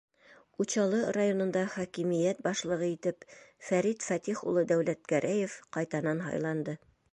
Учалы районында хакимиәт башлығы итеп Фәрит Фәтих улы Дәүләтгәрәев ҡайтанан һайланды.